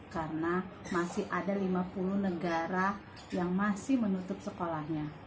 karena masih ada lima puluh negara yang masih menutup sekolahnya